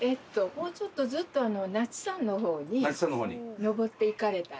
もうちょっとずっと那智山の方に登っていかれたら。